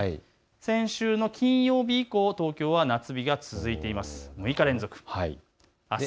先週の金曜日以降、東京は夏日が続いています。